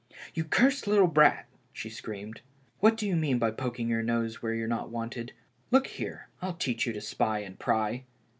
"You cursed little brat," she screamed, "what do you mean by poking your nose where you're not wanted ? Look here, I'll teach you to spy and pry."